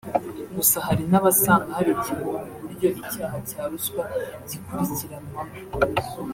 Gusa hari n’abasanga hari icyuho mu buryo icyaha cya ruswa gikurikiranwamo